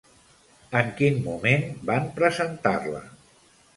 En quin moment van presentar-la?